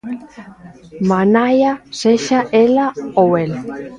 Manaia sexa ela ou el!